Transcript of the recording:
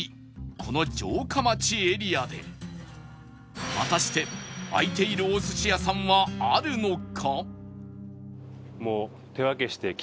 この城下町エリアで果たして開いているお寿司屋さんはあるのか？